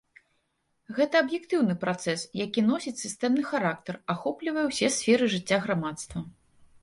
Гэта аб'ектыўны працэс, які носіць сістэмны характар, ахоплівае ўсе сферы жыцця грамадства.